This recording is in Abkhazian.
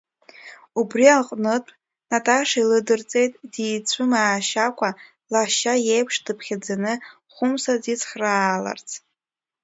Убри аҟнытә, Наташа илыдырҵеит дицәымаашьакәа, лашьа иеиԥш дыԥхьаӡаны, Хәымса дицхрааларц.